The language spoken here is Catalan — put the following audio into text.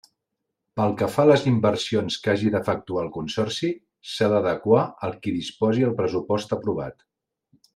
Pel que fa a les inversions que hagi d'efectuar el Consorci, s'han d'adequar al que disposi el pressupost aprovat.